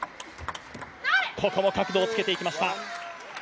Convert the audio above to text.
ここも角度をつけていきました。